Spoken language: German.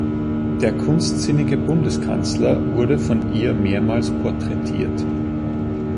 Der kunstsinnige Bundeskanzler wurde von ihr mehrmals porträtiert.